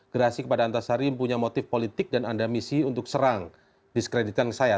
gerasi kepada antarsari yang punya motif politik dan anda misi untuk serang diskreditkan saya